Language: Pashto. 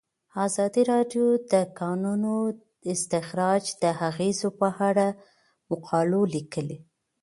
ازادي راډیو د د کانونو استخراج د اغیزو په اړه مقالو لیکلي.